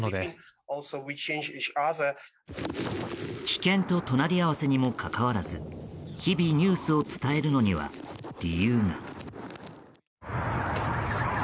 危険と隣り合わせにもかかわらず日々ニュースを伝えるのには理由が。